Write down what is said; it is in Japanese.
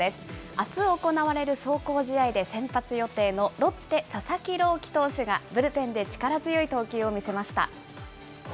あす行われる壮行試合で、先発予定のロッテ、佐々木朗希投手がブルペンで力強い投球を見せました。